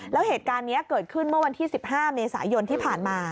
แล้วเหตุการณ์นี้เกิดขึ้นเมื่อวันที่๑๕เมษายนที่ผ่านมา